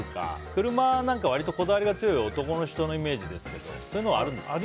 車なんか、こだわりが強いのは男の人のイメージですけどそういうのはあるんですかね。